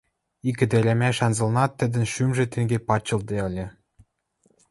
Ик ӹдӹрӓмӓш анзылнат тӹдӹн шӱмжӹ тенге пачылтде ыльы.